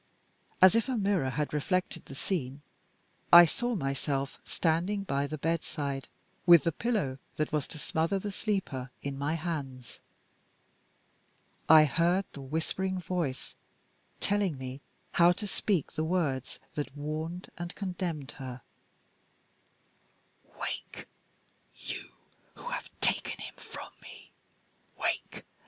As if a mirror had reflected the scene, I saw myself standing by the bedside, with the pillow that was to smother the sleeper in my hands. I heard the whispering voice telling me how to speak the words that warned and condemned her: "Wake! you who have taken him from me! Wake!